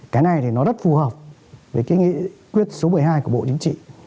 cái này thì nó rất phù hợp với cái nghị quyết số một mươi hai của bộ chính trị